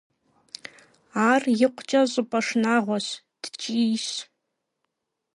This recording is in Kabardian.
Ар икъукӏэ щӏыпӏэ шынагъуэщ, ткӏийщ.